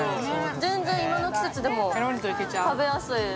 全然、今の季節でも食べやすいです。